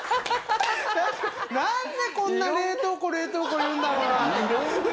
なんでこんな冷凍庫冷凍庫言うんだろうな。